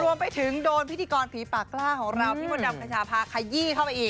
รวมไปถึงโดนพิธีกรผีปากกล้าของเราพี่มดดำกระชาพาขยี้เข้าไปอีก